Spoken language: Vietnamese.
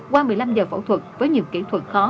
qua một mươi năm giờ phẫu thuật với nhiều kỹ thuật khó